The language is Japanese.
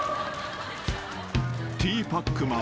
［ティーパックマン］